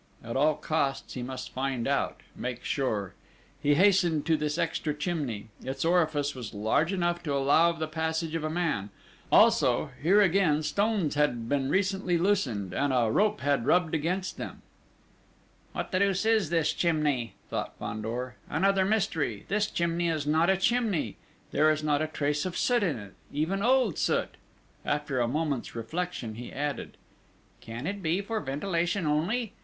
At all costs he must find out make sure. He hastened to this extra chimney. Its orifice was large enough to allow of the passage of a man; also, here again, stones had been recently loosened, and a rope had rubbed against them: "What the deuce is this chimney?" thought Fandor. "Another mystery! This chimney is not a chimney; there is not a trace of soot on it, even old soot!" After a moment's reflection, he added: "Can it be for ventilation only?